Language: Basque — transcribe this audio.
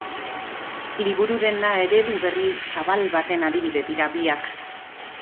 Liburu-denda eredu berri zabal baten adibide dira biak.